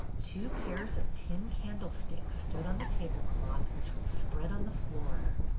Two pairs of tin candlesticks stood on the tablecloth which was spread on the floor.